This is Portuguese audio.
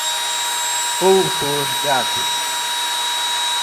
outorgado